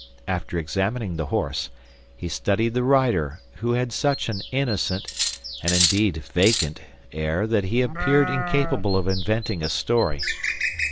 After examining the horse, he studied the rider, who had such an innocent, and indeed vacant, air that he appeared incapable of inventing a story.